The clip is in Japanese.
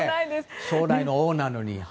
将来の王なのに。